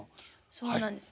そうなんです。